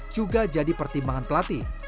juga jadi pertimbangan pelatih